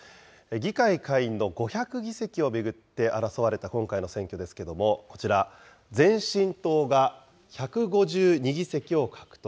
議会下院の５００議席を巡って争われた今回の選挙ですけれども、こちら、前進党が１５２議席を獲得。